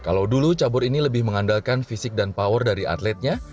kalau dulu cabur ini lebih mengandalkan fisik dan power dari atletnya